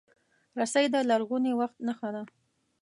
رسۍ د لرغوني وخت نښه ده.